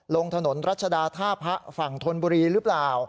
ลงถนนรัชดาท่าพระฝั่งธนบุรีหรือเปล่า